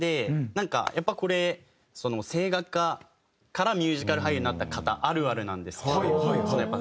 なんかやっぱこれ声楽科からミュージカル俳優になった方あるあるなんですけど。